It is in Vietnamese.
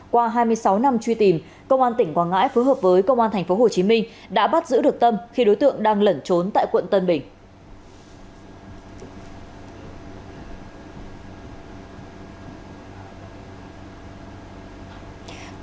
qua hai mươi sáu năm truy tìm công an tỉnh quảng ngãi phối hợp với công an tp hcm đã bắt giữ được tâm khi đối tượng đang lẩn trốn tại quận tân bình